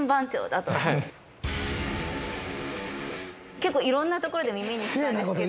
結構いろんなところで耳にしたんですけど。